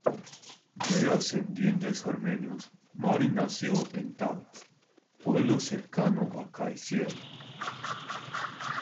De ascendientes armenios, Mari nació en Talas pueblo cercano a Kayseri.